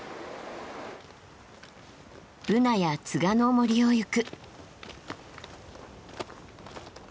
ブナやツガの森を行く。